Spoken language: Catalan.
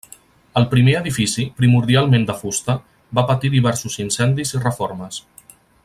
El primer edifici, primordialment de fusta, va patir diversos incendis i reformes.